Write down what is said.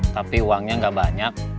tapi uangnya gak banyak